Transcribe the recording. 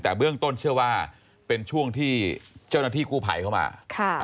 แต่เบื้องต้นเชื่อว่าเป็นช่วงที่เจ้าหน้าที่กู้ภัยเข้ามา